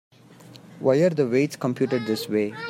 Why are the weights computed this way?